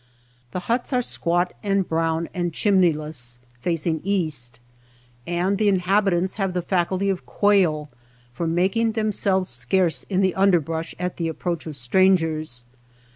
The huts are squat and brown and chimneyless, facing east, and the inhabitants have the faculty of quail for making themselves scarce in the underbrush at the approach of stran gers.